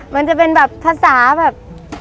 มันจะเป็นแบบภาษาแบบ